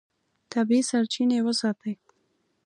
طبیعي سرچینې وساتئ.